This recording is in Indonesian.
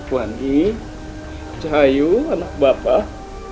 wani cahayu anak bapak